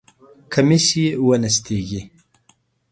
کمیس یې ونستېږی!